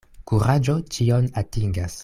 Kuraĝo ĉion atingas.